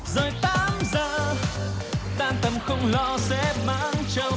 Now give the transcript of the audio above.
rồi tám giờ tan tầm không lo xếp bán trâu